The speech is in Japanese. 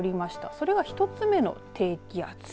それが１つ目の低気圧。